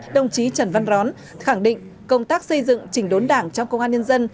đồng chí trần văn rón khẳng định công tác xây dựng chỉnh đốn đảng trong công an nhân dân